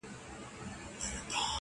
اوس د شپې نکلونه دي پېیلي په اغزیو!